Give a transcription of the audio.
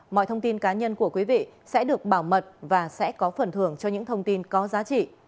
mọi thông tin cá nhân của quý vị sẽ được bảo mật và sẽ có phần thưởng cho những thông tin có giá trị